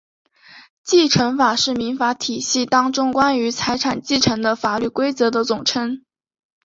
继承法是民法体系当中关于财产继承的法律规则的总称。